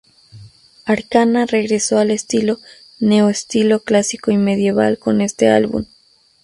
Arcana regreso al estilo Neo-estilo clásico y medieval con este álbum.